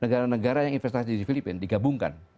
negara negara yang investasi di filipina digabungkan